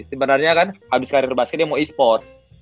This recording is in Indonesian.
istimewanya kan abis karir basket dia mau esports